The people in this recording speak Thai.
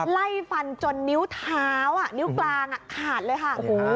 ไล่ฟันจนนิ้วเท้านิ้วกลางขาดเลยค่ะ